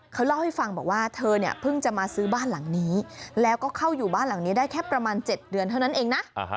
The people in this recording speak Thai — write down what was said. เขาเล่าให้ฟังบอกว่าเธอเนี่ยเพิ่งจะมาซื้อบ้านหลังนี้แล้วก็เข้าอยู่บ้านหลังนี้ได้แค่ประมาณ๗เดือนเท่านั้นเองนะ